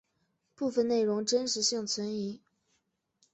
部分内容真实性存疑。